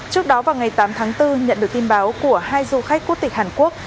trước đó vào ngày tám tháng bốn nhận được tin báo của hai du khách quốc tịch hàn quốc